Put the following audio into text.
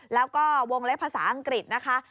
แล้วก็วงเล็บภาษาอังกฤษนะคะ